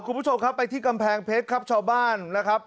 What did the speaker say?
คุณผู้ชมครับไปที่กำแพงเพชรครับชาวบ้านนะครับ